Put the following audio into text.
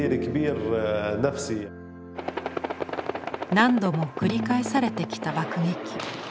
何度も繰り返されてきた爆撃。